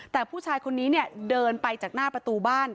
แต่ผู้ชายคนนี้เนี่ยเดินไปจากหน้าประตูบ้าน